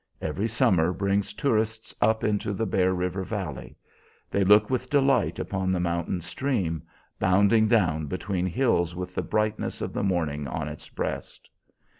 Every summer brings tourists up into the Bear River valley. They look with delight upon the mountain stream, bounding down between the hills with the brightness of the morning on its breast.